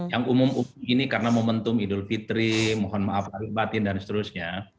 yang umum umum ini karena momentum idul fitri mohon maaf hari batin dan seterusnya